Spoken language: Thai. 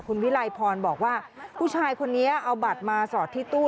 คุณวิไลพรบอกว่าผู้ชายคนนี้เอาบัตรมาสอดที่ตู้